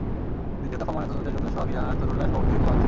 দ্বিতীয় দফা ময়নাতদন্তের জন্য সোহাগী জাহান তনুর লাশ কবর থেকে তোলা হচ্ছে।